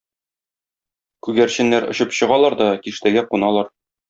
Күгәрченнәр очып чыгалар да киштәгә куналар.